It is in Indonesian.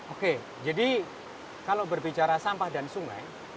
oke jadi kalau berbicara sampah dan sungai